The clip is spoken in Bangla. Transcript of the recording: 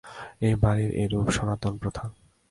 এ বাড়ির এইরূপ সনাতন প্রথা।